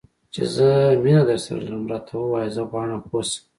چې زه مینه درسره لرم؟ راته ووایه، زه غواړم پوه شم.